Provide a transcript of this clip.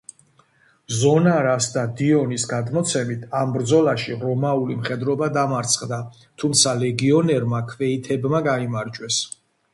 ზონარას და დიონის გადმოცემით, ამ ბრძოლაში რომაული მხედრობა დამარცხდა, თუმცა ლეგიონერმა ქვეითებმა გაიმარჯვეს.